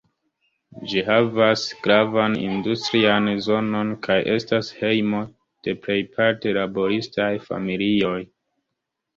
Ĝi havas gravan industrian zonon kaj estas hejmo de plejparte laboristaj familioj.